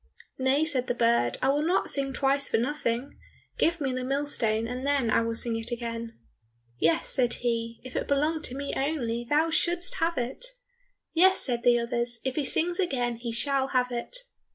"Nay," said the bird, "I will not sing twice for nothing. Give me the millstone, and then I will sing it again." "Yes," said he, "if it belonged to me only, thou shouldst have it." "Yes," said the others, "if he sings again he shall have it."